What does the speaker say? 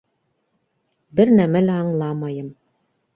Бер нәмә лә аңламайым.